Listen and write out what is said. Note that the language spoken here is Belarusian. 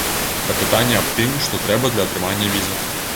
Да пытання аб тым, што трэба для атрымання візы.